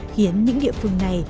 khiến những địa phương này